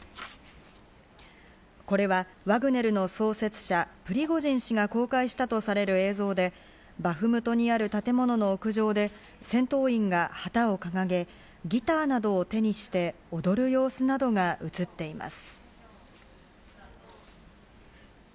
これはワグネルの創設者・プリゴジン氏が公開したとされる映像で、バフムトにある建物の屋上で、戦闘員が旗を掲げ、ギターなどを手にして踊る様子などが写っています。